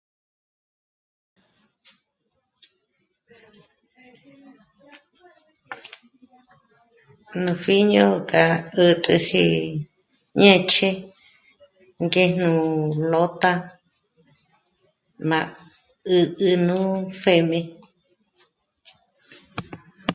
Nú pjíño k'a 'ët'ëji ñéch'e ngéjnu lǒta nà 'ä̀' 'ä̀nä nú pjém'e